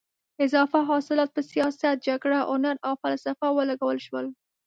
اضافه حاصلات په سیاست، جګړه، هنر او فلسفه ولګول شول.